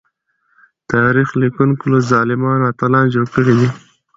تاريخ ليکونکو له ظالمانو اتلان جوړ کړي دي.